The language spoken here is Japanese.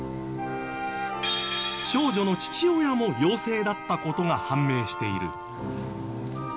少女の父親も陽性だった事が判明している。